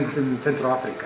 ini berpengaruh pada manusia